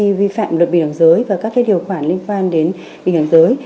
khi vi phạm luật bình đẳng giới và các cái điều khoản liên quan đến bình đẳng giới